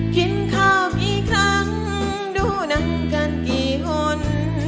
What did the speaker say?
กินข้าวกี่ครั้งดูหนังกันกี่คน